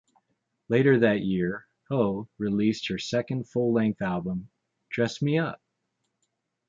Later that year, Ho released her second full-length album Dress Me Up!